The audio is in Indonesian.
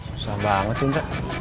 susah banget sindra